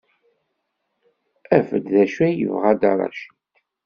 Af-d d acu ay yebɣa Dda Racid.